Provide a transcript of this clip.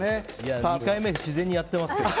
２回目は自然にやってますけど。